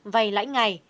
vầy lãi ngày